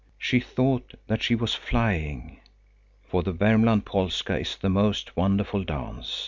She thought that she was flying. For the Värmland polska is the most wonderful dance.